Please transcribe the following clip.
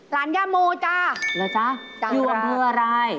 ร้านยามูจ๊ะจังหวัดจ๊ะอยู่อำเภออะไร